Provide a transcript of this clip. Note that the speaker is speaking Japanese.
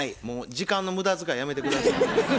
もう時間の無駄遣いやめて下さい。